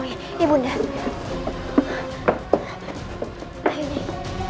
ayo semuanya keluar